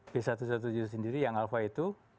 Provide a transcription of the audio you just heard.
b satu ratus tujuh belas sendiri yang alpha itu